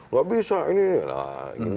gak bisa ini lah